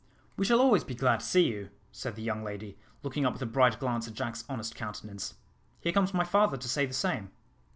"We shall always be glad to see you," said the young lady, looking up with a bright glance at Jack's honest countenance. "Here comes my father to say the same."